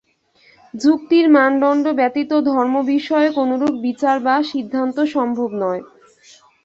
যুক্তির মানদণ্ড ব্যতীত ধর্মবিষয়েও কোনরূপ বিচার বা সিদ্ধান্ত সম্ভব নয়।